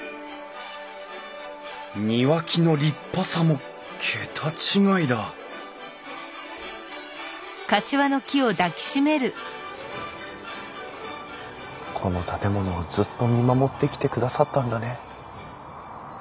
庭木の立派さも桁違いだこの建物をずっと見守ってきてくださったんだね。